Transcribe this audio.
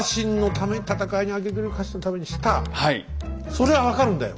それは分かるんだよ